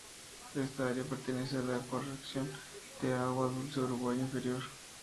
Esta área pertenece a la ecorregión de agua dulce Uruguay inferior.